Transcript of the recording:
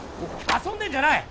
遊んでんじゃない！